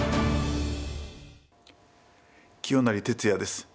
清成哲也です。